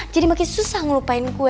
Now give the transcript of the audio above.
jadi makin susah ngelupain gue